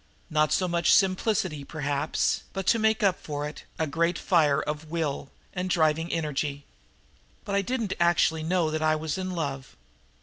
Not so much simplicity, perhaps, but to make up for it, a great fire of will and driving energy. "But I didn't actually know that I was in love.